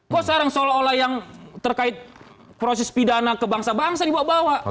kok sekarang seolah olah yang terkait proses pidana ke bangsa bangsa dibawa bawa